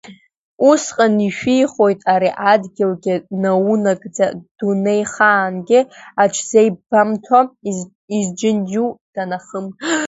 Усҟан ишәихоит ари адгьылгьы, наунагӡа, дунеихаангьы аҽзеибнамҭо, изџьынџьу данахым…